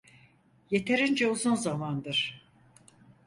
Yeterince uzun zamandır.